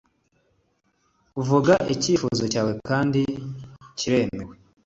'vuga icyifuzo cyawe kandi kiremewe;